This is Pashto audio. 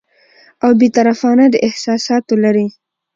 او بې طرفانه، د احساساتو لرې